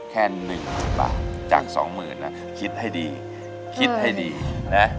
แค่๑บาทจาก๒หมื่นนะคิดให้ดีคิดให้ดีนะ